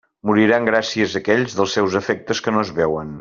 Moriran gràcies a aquells dels seus efectes que no es veuen.